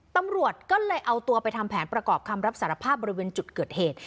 ตำรวจก็เลยเอาตัวไปทำแผนประกอบคำรับสารภาพบริเวณจุดเกิดเหตุ